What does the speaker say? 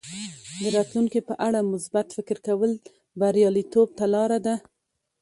د راتلونکي په اړه مثبت فکر کول بریالیتوب ته لاره ده.